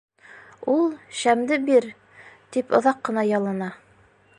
Ул, шәмде бир, тип оҙаҡ ҡына ялына.